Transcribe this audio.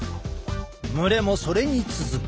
群れもそれに続く。